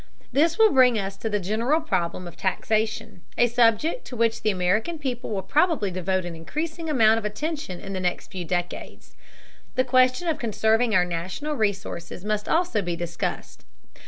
This will bring us to the general problem of taxation, a subject to which the American people will probably devote an increasing amount of attention in the next few decades. The question of conserving our natural resources must also be discussed.